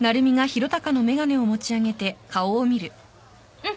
うん！